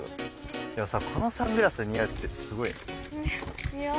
でもさこのサングラスが似合うってすごいよね。